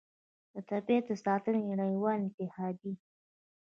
د طبیعت د ساتنې نړیوالې اتحادیې